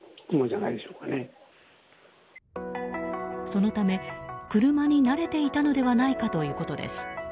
そのため車に慣れていたのではないかということです。